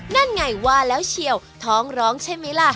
นั่นไงว่าแล้วเชียวท้องร้องใช่ไหมล่ะ